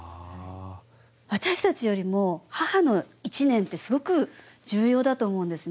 私たちよりも母の１年ってすごく重要だと思うんですね。